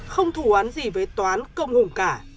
không thủ án gì với toán công hùng cả